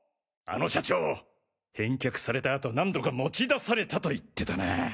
あの社長返却された後何度か持ち出されたと言ってたな。